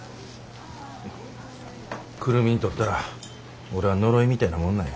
久留美にとったら俺は呪いみたいなもんなんや。